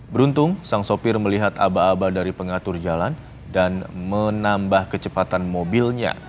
beruntung sang sopir melihat aba aba dari pengatur jalan dan menambah kecepatan mobilnya